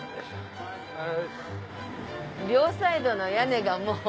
両サイドの屋根がもう。